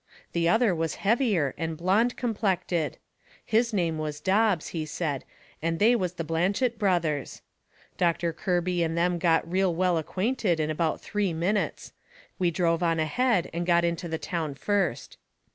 The other was heavier and blonde complected. His name was Dobbs, he said, and they was the Blanchet Brothers. Doctor Kirby and them got real well acquainted in about three minutes. We drove on ahead and got into the town first.